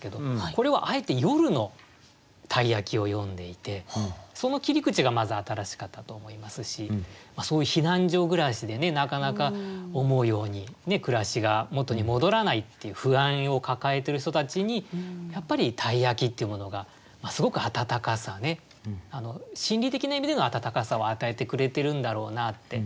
これはあえて夜の鯛焼を詠んでいてその切り口がまず新しかったと思いますしそういう避難所暮らしでねなかなか思うように暮らしが元に戻らないっていう不安を抱えてる人たちにやっぱり鯛焼っていうものがすごく温かさね心理的な意味での温かさを与えてくれてるんだろうなって。